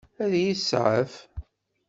Ad iyi-tseɛef?